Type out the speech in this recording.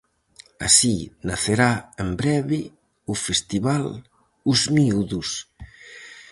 Así nacerá en breve o festival "Os miúdos".